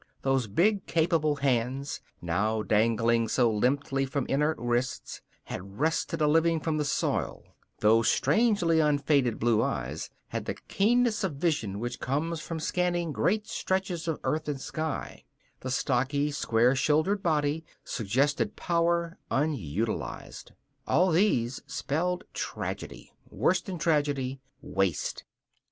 Those big, capable hands, now dangling so limply from inert wrists, had wrested a living from the soil; those strangely unfaded blue eyes had the keenness of vision which comes from scanning great stretches of earth and sky; the stocky, square shouldered body suggested power unutilized. All these spelled tragedy. Worse than tragedy waste.